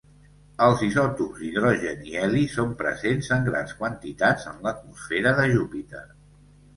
Els isòtops d'hidrogen i heli són presents en grans quantitats en l'atmosfera de Júpiter.